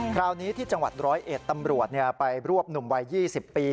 คราวนี้ที่จังหวัดร้อยเอ็ดตำรวจไปรวบหนุ่มวัย๒๐ปี